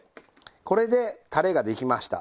これでたれができました。